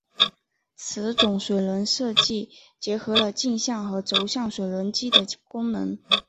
此种水轮机设计结合了径向和轴向水轮机的功能。